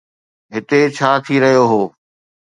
هتي ڇا ٿي رهيو هو؟